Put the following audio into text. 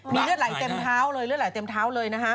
มีเลือดหลายเต็มเท้าเลย